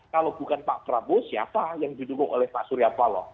kalau bukan pak prabowo siapa yang didukung oleh pak surya paloh